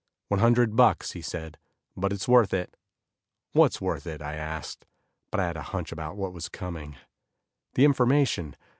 "One hundred bucks," he said, "but it's worth it." "What's worth it?" I asked, but I had a hunch about what was coming. "The information.